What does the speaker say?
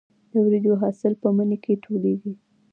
د وریجو حاصل په مني کې ټولېږي.